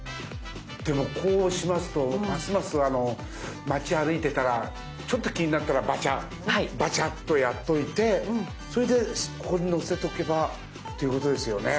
でもこうしますとますます町歩いてたらちょっと気になったらバチャッバチャッとやっといてそれでここに載せとけばということですよね。